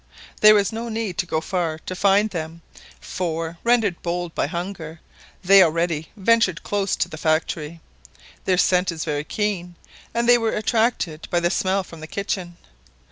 There was no need to go far to find them, for, rendered bold by hunger, they already ventured close to the factory. Their scent is very keen, and they were attracted by the smell from the kitchen.